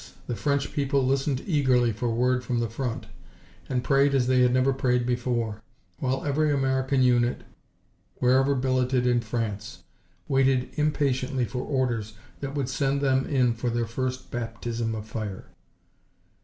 The French people listened eagerly for word from the front and prayed as they had never prayed before, while every American unit, wherever billeted in France, waited impatiently for orders that would send them in for their first baptism of fire.